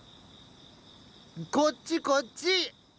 こっちこっち！